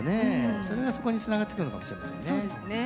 それがそこにつながってくるのかもしれませんね。